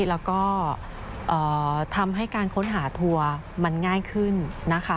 แล้วก็ทำให้การค้นหาทัวร์มันง่ายขึ้นนะคะ